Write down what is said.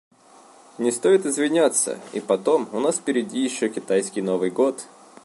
Не стоит извиняться, и потом у нас впереди еще китайский Новый год.